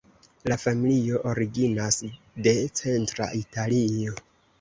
La familio originas de centra Italio.